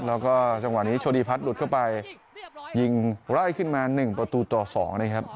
แล้วก็จังหวะนี้โชดีพัฒน์หลุดเข้าไปยิงไล่ขึ้นมา๑ประตูต่อ๒นะครับ